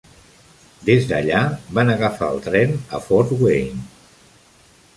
Des d'allà, van agafar el tren a Fort Wayne.